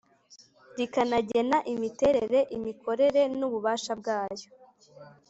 rikanagena imiterere imikorere n ububasha byayo